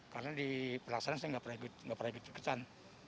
karena di pelaksanaan saya nggak periksa kecerahan